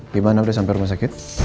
gimana udah sampai rumah sakit